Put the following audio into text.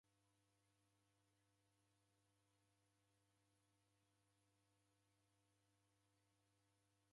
Dideda masaa ghamu leka nibonye chaghu